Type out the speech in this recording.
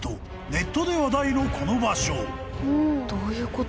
ネットで話題のこの場所］